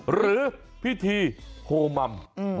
หรือพิธีโฮมัม